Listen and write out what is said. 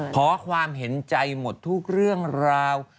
ขอความเห็นใจหมดทุกเรื่องราว